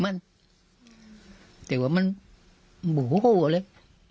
มันแต่ว่ามันโมโหเลย